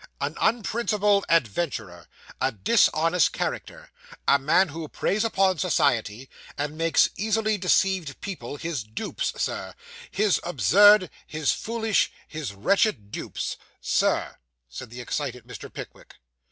'An unprincipled adventurer a dishonourable character a man who preys upon society, and makes easily deceived people his dupes, Sir; his absurd, his foolish, his wretched dupes, Sir,' said the excited Mr. Pickwick.